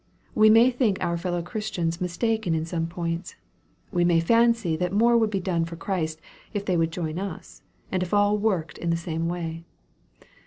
We may think our fellow Christians mistaken in some points. We may fancy that more would be done for Christ, if they would join us, and if all worked in the same way.